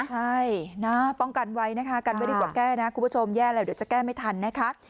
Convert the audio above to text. ใช่นะป้องกันไว้นะคะกันไว้ดีกว่าแก้นะคุณผู้ชมแย่แล้วเดี๋ยวจะแก้ไม่ทันนะคะ